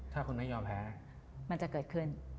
ถ้าคุณไม่ยอมแพ้มันจะเกิดขึ้น